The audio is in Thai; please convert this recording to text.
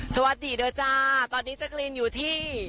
สวัสดีด้วยจ้าตอนนี้แจ๊กรีนอยู่ที่